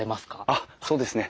あっそうですね